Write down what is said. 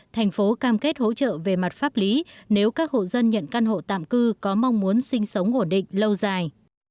thành phố cam kết hỗ trợ về mặt pháp lý nếu các hộ dân nhận căn hộ tạm cư có mong muốn sinh sống ổn định lâu dài